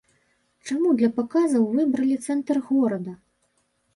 Чаму для паказаў выбралі цэнтр горада?